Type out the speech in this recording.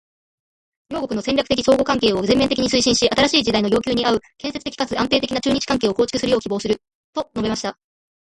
「両国の戦略的互恵関係を全面的に推進し、新しい時代の要求に合う建設的かつ安定的な中日関係を構築するよう希望する」と述べました。